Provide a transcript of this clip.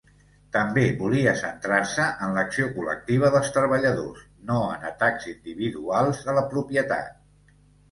També volia centrar-se en l'acció col·lectiva dels treballadors, no en atacs individuals a la propietat.